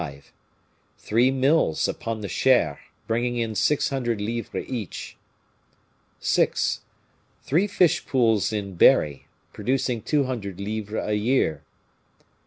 Three mills upon the Cher, bringing in six hundred livres each. "6. Three fish pools in Berry, producing two hundred livres a year.